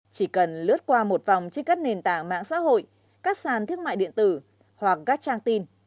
chỉ cần lướt qua một vòng trên các nền tảng mạng xã hội các sàn thương mại điện tử hoặc các trang tin